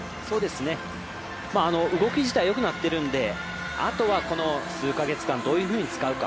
動き自体よくなってるのであとは、この数か月間どのように使うか。